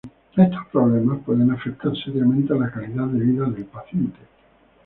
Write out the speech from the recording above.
Estos problemas pueden afectar seriamente a la calidad de vida del paciente.